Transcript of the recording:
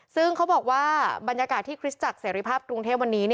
ซึ่งเขาบอกว่าบรรยากาศที่คริสตจักรเสรีภาพกรุงเทพวันนี้